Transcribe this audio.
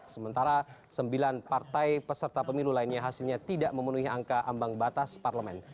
sementara sembilan partai peserta pemilu lainnya hasilnya tidak memenuhi angka ambang batas parlemen